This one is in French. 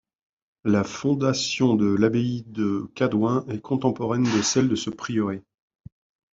La fondation de l'abbaye de Cadouin est contemporaine de celle de ce prieuré.